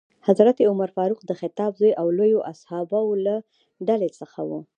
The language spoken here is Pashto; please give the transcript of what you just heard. حضرت عمر فاروق د خطاب زوی او لویو اصحابو له ډلې څخه ؤ.